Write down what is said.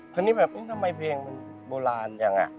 คนนี้แบบทำไมเพลงมันโบราณอย่างน่ะ